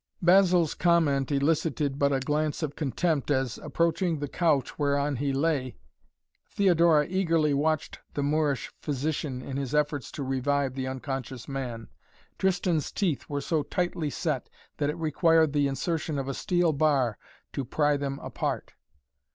Basil's comment elicited but a glance of contempt as, approaching the couch whereon he lay, Theodora eagerly watched the Moorish physician in his efforts to revive the unconscious man. Tristan's teeth were so tightly set that it required the insertion of a steel bar to pry them apart.